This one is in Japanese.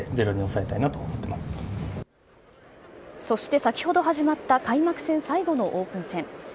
そして先ほど始まった開幕戦最後のオープン戦。